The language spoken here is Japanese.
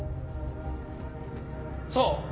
そう。